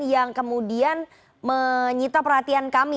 yang kemudian menyita perhatian kami